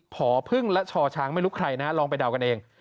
ผอพึ่งและชอช้างไม่รู้ใครนะลองไปเดากันเอง